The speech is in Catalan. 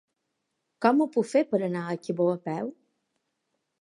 Com ho puc fer per anar a Cabó a peu?